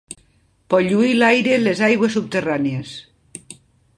Pol·luir l'aire, les aigües subterrànies.